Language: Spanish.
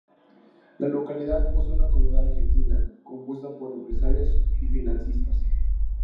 La localidad posee una comunidad argentina, compuesta por empresarios y financistas.